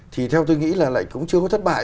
thì theo tôi nghĩ là lại cũng chưa có thất bại